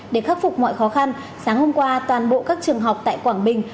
để khắc phục mọi khó khăn sáng hôm qua toàn bộ các trường học tại quảng bình